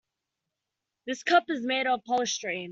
This cup is made of polystyrene.